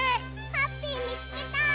ハッピーみつけた！